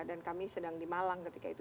dan kami sedang di malang ketika itu